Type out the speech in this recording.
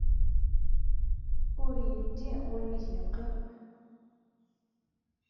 Ur yeddi, wanag yeqqim.